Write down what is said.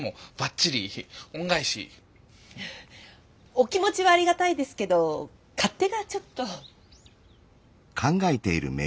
お気持ちはありがたいですけど勝手がちょっと。